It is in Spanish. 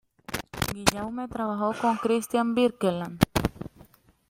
Guillaume trabajó con Kristian Birkeland.